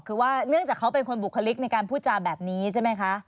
คือว่าเนื่องจากเขาเป็นคนบุคลิกในการพูดจาแบบนี้ใช่ไหมคะ